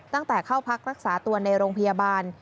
ตั้งแต่เข้าพักรักษาตัวในโรงพยาบาล